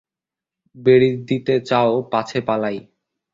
বেড়ি দিতে চাও পাছে পালাই!